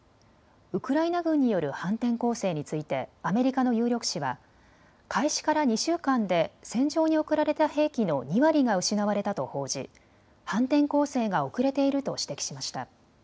ウクライナ軍による反転攻勢についてアメリカの有力紙は開始から２週間で戦場に送られた兵器の２割が失われたと報じ反転攻勢が遅れていると指摘しました。